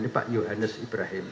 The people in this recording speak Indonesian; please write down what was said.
ini pak yohannes ibrahim